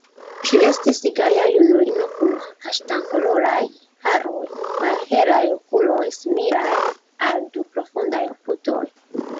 Ŝi estis gaja junulino kun kaŝtankoloraj haroj, malhelaj okuloj, similaj al du profundaj putoj.